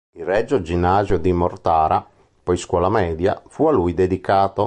Il Regio Ginnasio di Mortara, poi Scuola media, fu a lui dedicato.